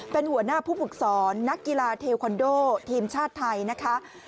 เป็นหัวหน้าผู้ฝึกสอนนักกีฬาเทคอนโดทีมชาติไทยนะคะ